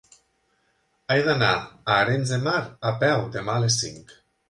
He d'anar a Arenys de Mar a peu demà a les cinc.